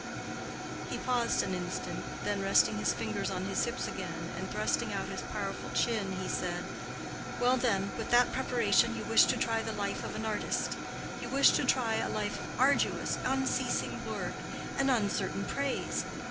He paused an instant; then resting his fingers on his hips again, and thrusting out his powerful chin, he said, "Well, then, with that preparation, you wish to try the life of an artist; you wish to try a life of arduous, unceasing work, and—uncertain praise.